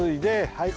はい。